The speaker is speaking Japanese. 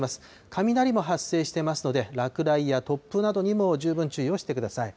雷も発生していますので、落雷や突風などにも十分注意をしてください。